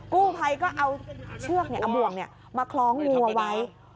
กู้ภัยก็เอาเชือกเอาบ่วงมาคล้องงูเอาไว้